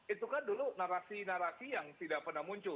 itu kan dulu narasi narasi yang tidak pernah muncul